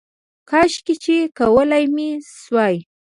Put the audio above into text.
کاشکې چې کولی مې شوای